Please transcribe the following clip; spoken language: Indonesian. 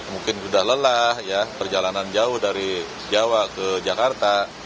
mungkin sudah lelah ya perjalanan jauh dari jawa ke jakarta